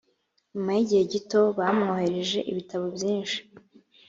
nyuma y igihe gito bamwoherereje ibitabo byinshi